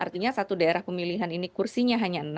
artinya satu daerah pemilihan ini kursinya hanya enam